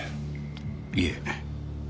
いえ。